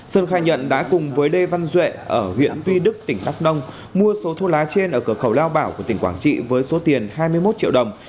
sơn khai nhận đã cùng với lê văn duệ ở huyện tuy đức tỉnh đắk nông mua số thuốc lá trên ở cửa khẩu lao bảo của tỉnh quảng trị với số tiền hai mươi một triệu đồng